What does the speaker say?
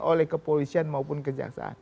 oleh kepolisian maupun kejaksaan